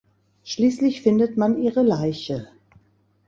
Schließlich findet man ihre Leiche.